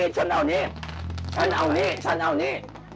ฉันเอานี่